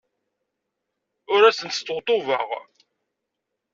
Ur asent-sṭebṭubeɣ.